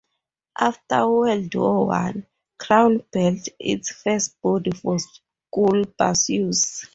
After World War One, Crown built its first body for school bus use.